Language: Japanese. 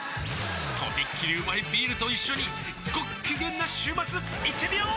とびっきりうまいビールと一緒にごっきげんな週末いってみよー！